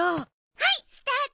はいスタート。